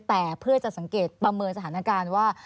แต่เพื่อจะสังเกตประเมินสถานการณ์ว่า